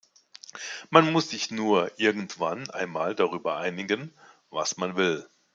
Man muss sich nur irgendwann einmal darüber einigen, was man will.